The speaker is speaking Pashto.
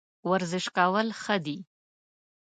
ورزش کول ښه دي